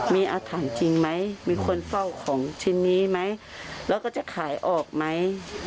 มีอาถรรพ์จริงไหมมีคนเฝ้าของชิ้นนี้ไหมแล้วก็จะขายออกไหม